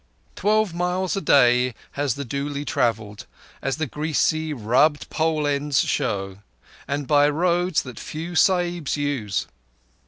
Twelve miles a day has the dooli travelled, as the greasy, rubbed pole ends show, and by roads that few Sahibs use.